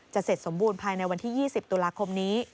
เสร็จสมบูรณ์ภายในวันที่๒๐ตุลาคมนี้